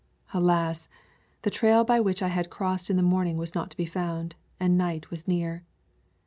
Alas! the trail by which I had crossed in the morning was not to be found, and night was near.